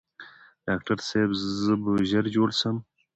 ډاکټر صاحب زه به ژر جوړ شم؟